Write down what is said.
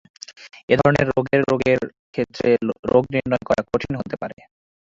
এ ধরনের রোগের রোগের ক্ষেত্রে রোগননির্ণয় করা কঠিন হতে পারে।